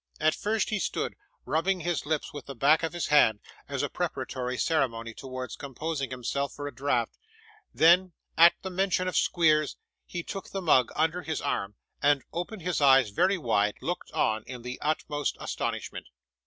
At first he stood, rubbing his lips with the back of his hand, as a preparatory ceremony towards composing himself for a draught; then, at the mention of Squeers, he took the mug under his arm, and opening his eyes very wide, looked on, in the utmost astonishment.